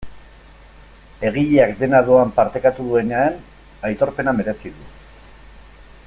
Egileak dena doan partekatu duenean aitorpena merezi du.